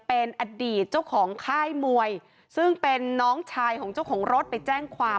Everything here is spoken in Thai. เป็นอดีตเจ้าของค่ายมวยซึ่งเป็นน้องชายของเจ้าของรถไปแจ้งความ